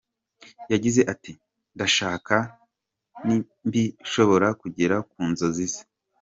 Yagize ati: "Ndashaka, nimbishobora, kugera ku nzozi ze.